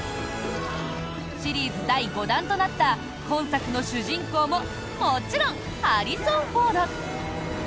シリーズ第５弾となった今作の主人公ももちろんハリソン・フォード。